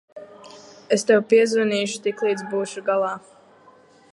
Es tev piezvanīšu, tiklīdz būšu galā.